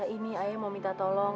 ini ayah mau minta tolong